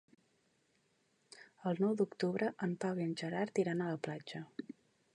El nou d'octubre en Pau i en Gerard iran a la platja.